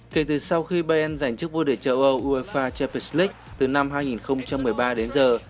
kể từ sau khi bayern giành chức vua đề châu âu uefa champions league từ năm hai nghìn một mươi ba đến giờ